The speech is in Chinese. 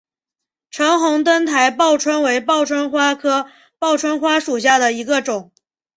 橙红灯台报春为报春花科报春花属下的一个种。